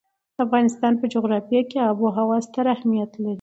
د افغانستان په جغرافیه کې آب وهوا ستر اهمیت لري.